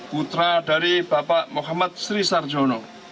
putra dari bapak muhammad sri sarjono